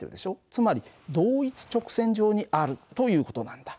つまり同一直線上にあるという事なんだ。